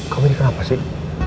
kamu ini kenapa sih